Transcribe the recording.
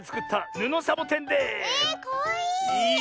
えかわいい！